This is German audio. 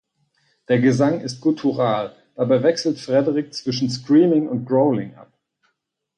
Der Gesang ist guttural, dabei wechselt Frederick zwischen Screaming und Growling ab.